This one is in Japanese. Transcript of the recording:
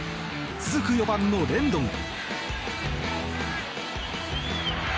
続く４番のレンドン。